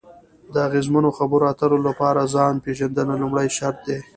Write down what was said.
د اغیزمنو خبرو اترو لپاره ځان پېژندنه لومړی شرط دی.